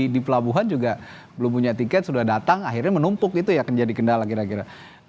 di pelabuhan juga belum punya tiket sudah datang akhirnya menumpuk itu yang jadi kendala kira kira